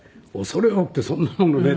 「恐れ多くてそんなものね」